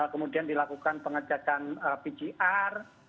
kemudian dilakukan pengejakan pgr